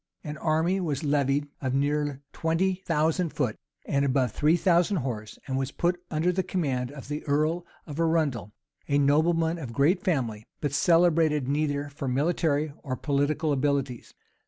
An army was levied of near twenty thousand foot, and above three thousand horse; and was put under the command of the earl of Arundel, a nobleman of great family, but celebrated neither for military nor political abilities.